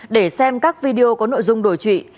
để xem các video có nội dung đổi trụy